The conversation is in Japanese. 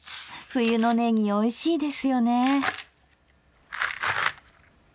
冬のねぎおいしいですよね。